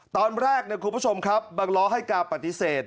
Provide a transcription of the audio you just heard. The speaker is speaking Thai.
ตอนแรกคุณผู้ชมครับบังล้อให้การปฏิเสธ